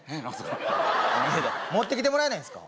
持ってきてもらえないんですか？